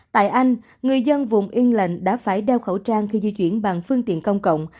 tại anh người dân vùng yên lệnh đã phải đeo khẩu trang khi di chuyển bằng phương tiện công cộng